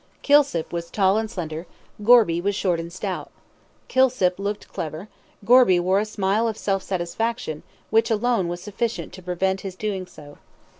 Kilsip was tall and slender; Gorby was short and stout. Kilsip looked clever; Gorby wore a smile of self satisfaction; which alone was sufficient to prevent his doing so.